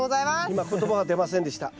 今言葉が出ませんでした。